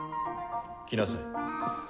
来なさい。